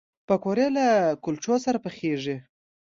پکورې له کلچو سره پخېږي